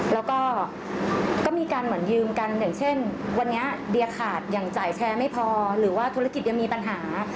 แล้วก็มีการเหมือนยืมกันอย่างเช่นวันนี้เดียขาดอย่างจ่ายแชร์ไม่พอหรือว่าธุรกิจยังมีปัญหา